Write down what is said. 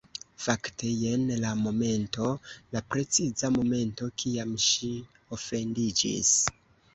Fakte, jen la momento... la preciza momento kiam ŝi ofendiĝis